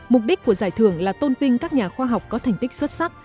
mục đích của giải thưởng là tôn vinh các nhà khoa học có thành tích xuất sắc